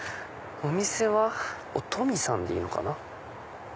お店はお富さんでいいのかな。